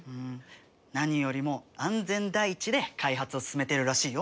何よりも安全第一で開発を進めてるらしいよ。